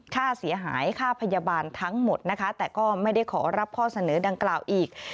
ค่าเสียหายค่าพยาบาลทั้งหมดนะคะแต่ก็ไม่ได้ขอรับข้อเสนอดังกล่าวอีก